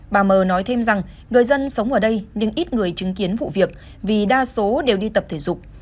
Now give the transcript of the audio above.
bà mờ nói thêm rằng người dân sống ở đây nhưng ít người chứng kiến vụ việc vì đa số đều đi tập thể dục